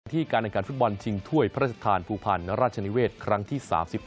ที่การแนะนำการฟุตบอลชิงถ้วยพระศักดิ์ฐานภูพันธ์ณราชนิเวศครั้งที่๓๕